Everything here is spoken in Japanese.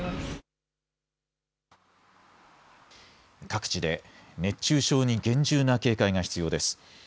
各地で熱中症に厳重な警戒が必要です。